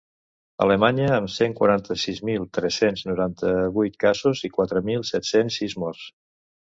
Alemanya, amb cent quaranta-sis mil tres-cents noranta-vuit casos i quatre mil set-cents sis morts.